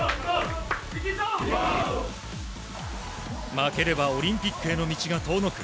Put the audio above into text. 負ければオリンピックへの道が遠のく